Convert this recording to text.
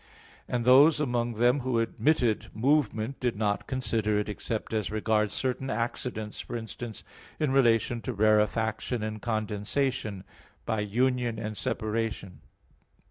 And those among them who admitted movement, did not consider it except as regards certain accidents, for instance, in relation to rarefaction and condensation, by union and separation.